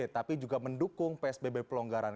tapi juga mendukung psbb pelonggaran